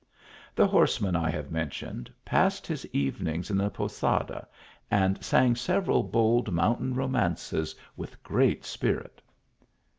The horseman I have mentioned, passed his evening in th; posada, and sang several bold mountain ro mances with great spirit.